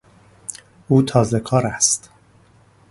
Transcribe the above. او تازهکار است.